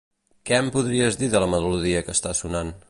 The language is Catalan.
Què em podries dir de la melodia que està sonant?